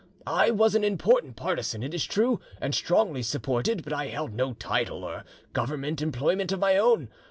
I was an important partisan, it is true, and strongly supported, but I held no title or Government employment of my own.